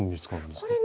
これね